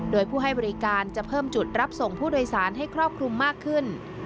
โดยผู้ให้บริการจะเพิ่มจุดรับส่งผู้โดยสารให้ครอบคลุมมากขึ้น